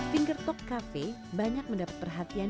finger talk cafe banyak mendapat perhatian